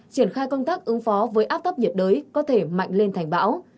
triển khai công tác ứng phó với áp thấp nhiệt đới có thể mạnh lên thành bão